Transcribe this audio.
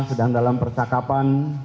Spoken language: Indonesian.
sedang dalam percakapan